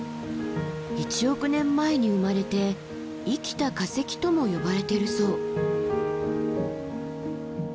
１億年前に生まれて生きた化石とも呼ばれてるそう。